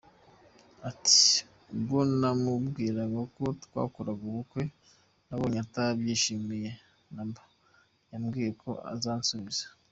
Ati” Ubwo namubwiraga ko twakora ubukwe nabonye atabyishimiye na mba, yambwiye ko azansubiza.